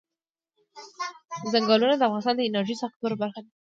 چنګلونه د افغانستان د انرژۍ سکتور برخه ده.